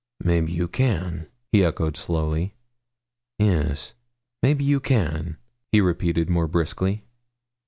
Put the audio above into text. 'Maybe you can,' he echoed slowly. 'Yes, maybe you can,' he repeated more briskly.